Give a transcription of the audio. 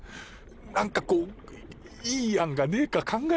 なんかこういい案がねえか考えてくれよ。